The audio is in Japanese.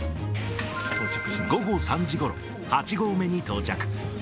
午後３時ごろ、八合目に到着。